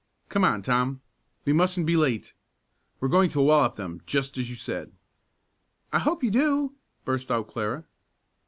Come on, Tom, we mustn't be late. We're going to wallop them just as you said." "I hope you do!" burst out Clara.